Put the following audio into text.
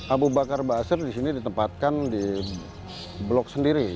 abu bakar baasir disini ditempatkan di blok sendiri